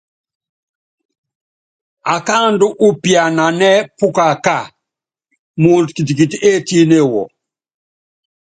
Akáaandú úpiananɛ́ pukaká, muundɔ kitikiti étíne wɔ.